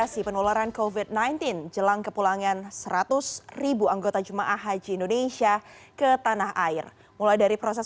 sianan indonesia newsroom